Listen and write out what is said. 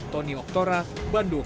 tony oktora bandung